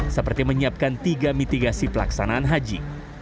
seperti menyiapkan tiga mitigasi pelaksanaan haji